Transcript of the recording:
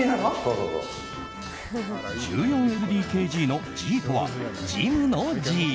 ＬＤＫＧのＧとはジムのＧ！